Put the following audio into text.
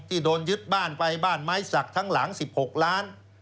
ที่ไปยึดบ้านบ้านไม้สักหลัง๑๖ล้าน